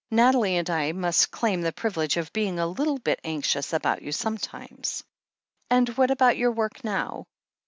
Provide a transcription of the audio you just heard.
Nathalie and I must claim the privilege of being a little bit anxious about you sometimes. And what about your work, now?"